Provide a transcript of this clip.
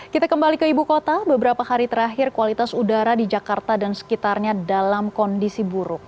kita kembali ke ibu kota beberapa hari terakhir kualitas udara di jakarta dan sekitarnya dalam kondisi buruk